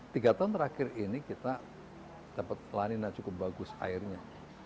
tiga tahun terakhir ini kita dapat lanina cukup bagus airnya